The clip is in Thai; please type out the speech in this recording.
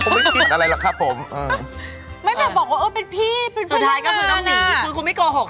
สุดท้ายกลัวไม่โกหกใช่ไหม